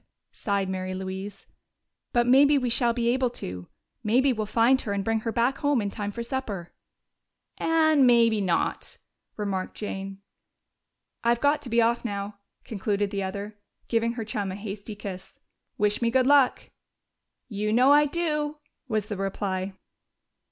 sighed Mary Louise. "But maybe we shall be able to. Maybe we'll find her and bring her back home in time for supper." "And maybe not," remarked Jane. "I've got to be off now," concluded the other, giving her chum a hasty kiss. "Wish me good luck!" "You know I do!" was the reply.